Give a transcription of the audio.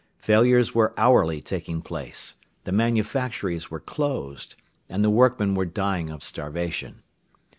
Failures were hourly taking place, the manufactories were closed, and the workmen were dying of starvation.